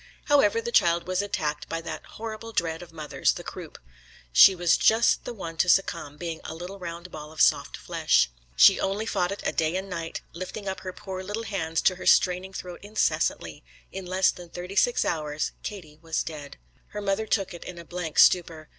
However, the child was attacked by that horrible dread of mothers, the croup. She was just the one to succumb, being a little round ball of soft flesh. She only fought it a day and night, lifting up her poor little hands to her straining throat incessantly. In less than thirty six hours Katie was dead. Her mother took it in a blank stupor.